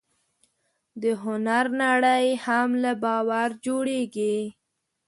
د هنر نړۍ هم له باور جوړېږي.